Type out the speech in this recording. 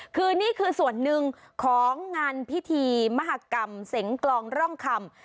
คือนี่คือส่วนหนึ่งของงานพิธีมหากรรมเสงกลองร่องคำ